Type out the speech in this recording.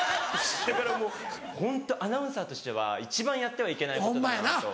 だからもうホントアナウンサーとしては一番やってはいけないことだなと。